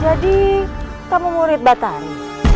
jadi kamu murid batari